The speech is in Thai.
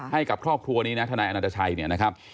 ให้กับครอบครัวนี้นะทนายอนัตชัยเนี่ยนะครับ